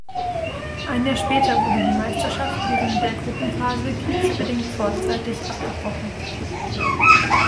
Ein Jahr später wurde die Meisterschaft während der Gruppenphase kriegsbedingt vorzeitig abgebrochen.